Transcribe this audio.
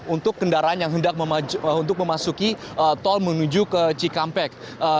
untuk kendaraan yang hendak untuk memasuki tol menuju ke cikampek